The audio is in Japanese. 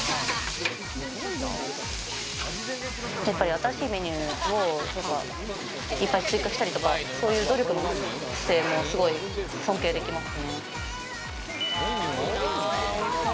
新しいメニューをいっぱい追加したりとか、そういう努力も姿勢もすごい尊敬できますね。